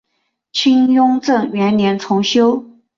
清雍正元年重修。